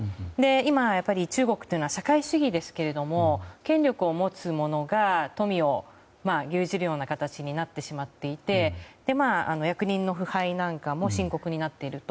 今、中国というのは社会主義ですけども権力を持つ者が富を牛耳るような形になってしまっていて役人の腐敗も深刻になっていると。